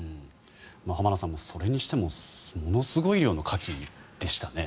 浜田さん、それにしてもものすごい量のカキでしたね。